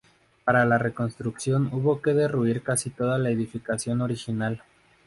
Para la reconstrucción hubo que derruir casi toda la edificación original.